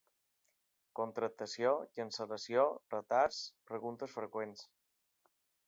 Contractació, cancel·lació, retards, preguntes freqüents...